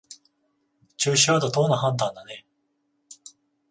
中止は妥当な判断だね